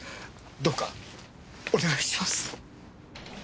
どうかお願いします。